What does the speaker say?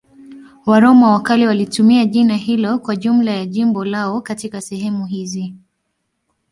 Waroma wa kale walitumia jina hilo kwa jumla ya jimbo lao katika sehemu hizi.